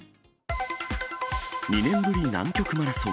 ２年ぶり南極マラソン。